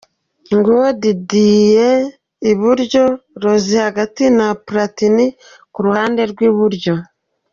Nguwo Diddyne iburyo, Rozy hagati na Platini ku ruhande rw'iburyo.